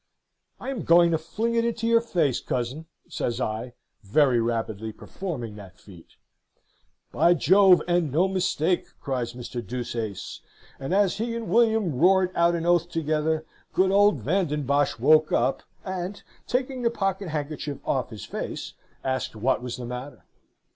"'I am going to fling it into your face, cousin,' says I, very rapidly performing that feat. "'By Jove, and no mistake!' cries Mr. Deuceace; and as he and William roared out an oath together, good old Van den Bosch woke up, and, taking the pocket handkerchief off his face, asked what was the matter.